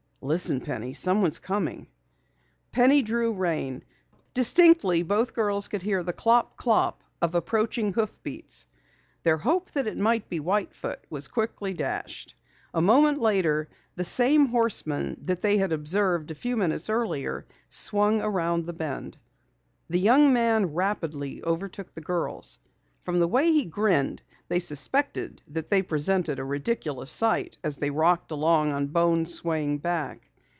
"Listen, Penny! Someone's coming!" Penny drew rein. Distinctly, both girls could hear the clop clop of approaching hoofbeats. Their hope that it might be White Foot was quickly dashed. A moment later the same horseman they had observed a few minutes earlier, swung around the bend. The young man rapidly overtook the girls. From the way he grinned, they suspected that they presented a ridiculous sight as they rocked along on Bones' swaying back.